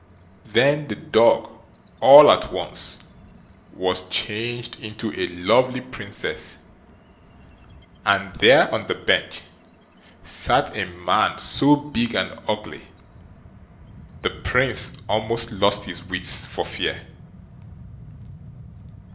Then the dog, all at once, was changed into a lovely Princess; and there, on the bench, sat a man so big and ugly, the Prince almost lost his wits for fear.